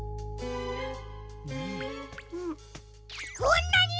んこんなに！？